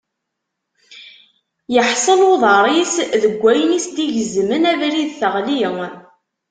Yeḥṣel uḍar-is deg wayen i as-d-igezmen abrid teɣli.